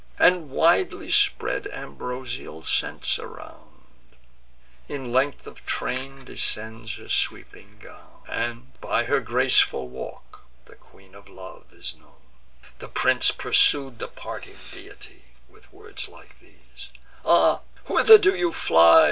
And widely spread ambrosial scents around: In length of train descends her sweeping gown; And, by her graceful walk, the Queen of Love is known. The prince pursued the parting deity With words like these: "Ah! whither do you fly?